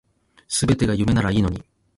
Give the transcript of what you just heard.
全てが夢ならいいのに